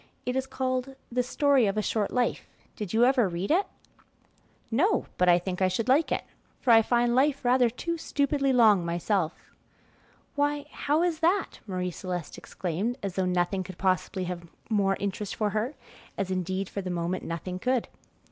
"It is called 'The Story of a Short Life.' Did you ever read it?" "No, but I think I should like it, for I find life rather too stupidly long myself." "Why, how is that?" Marie Celeste exclaimed, as though nothing could possibly have more interest for her, as indeed, for the moment, nothing could.